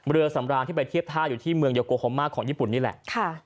เรือสำราญที่ไปเทียบท่าอยู่ที่เมืองโยโกฮอมมาของญี่ปุ่นนี่แหละ